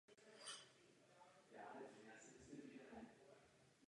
Strom se též nachází v několika chráněných oblastech.